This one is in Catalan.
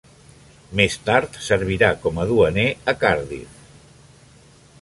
Més tard servirà com a duaner a Cardiff.